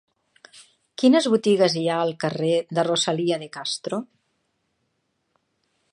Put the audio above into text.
Quines botigues hi ha al carrer de Rosalía de Castro?